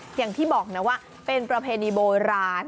อย่างที่บอกนะว่าเป็นประเพณีโบราณ